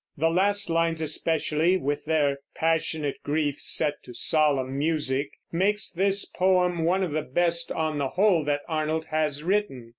The last lines especially, with their "passionate grief set to solemn music," make this poem one of the best, on the whole, that Arnold has written.